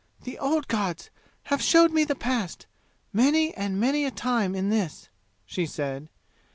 "The old gods have showed me the past many and many a time in this," she said.